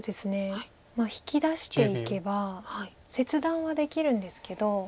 引き出していけば切断はできるんですけどただ。